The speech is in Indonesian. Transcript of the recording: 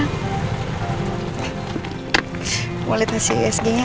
gue mau liat hasil wsg nya